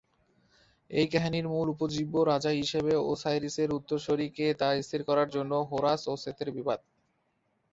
এই কাহিনির মূল উপজীব্য রাজা হিসেবে ওসাইরিসের উত্তরসূরি কে তা স্থির করার জন্য হোরাস ও সেতের বিবাদ।